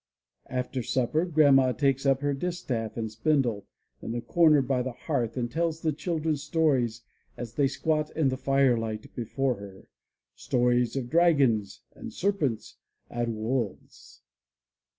After supper. Grandma takes up her distaff and spindle in the corner by the hearth and tells the children stories as they squat in the fire light before her, stories of dragons and serpents and wolves.